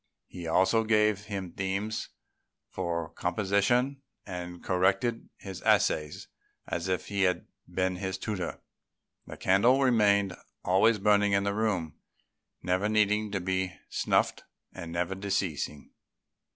He also gave him themes for composition, and corrected his essays as if he had been his tutor. The candle remained always burning in the room, never needing to be snuffed and never decreasing.